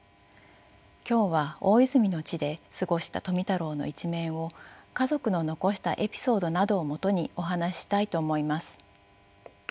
今日は大泉の地で過ごした富太郎の一面を家族の残したエピソードなどをもとにお話ししたいと思います。